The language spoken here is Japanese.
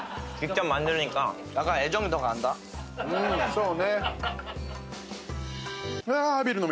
そうね。